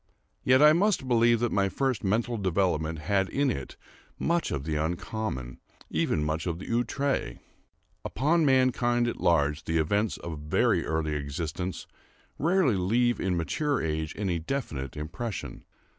Yet I must believe that my first mental development had in it much of the uncommon—even much of the outré. Upon mankind at large the events of very early existence rarely leave in mature age any definite impression.